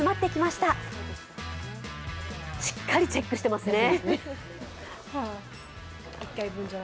しっかりチェックしてますね。